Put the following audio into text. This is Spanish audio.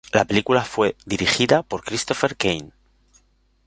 La película fue dirigida por Christopher Cain.